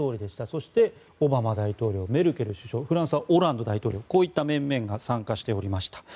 そして、オバマ大統領メルケル首相フランスはオランド大統領こういった面々が参加しておりました。